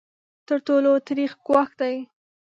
تر ټولو تریخ ګواښ دی.